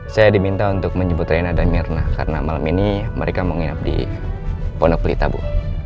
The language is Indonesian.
saya diminta untuk menjemput reina dan mirna karena malam ini mereka mau nginep di pondok pelita bu